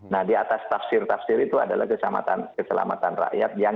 nah di atas tafsir tafsir itu adalah keselamatan rakyat